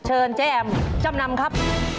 เชิญเจ๊แอมจำนำครับ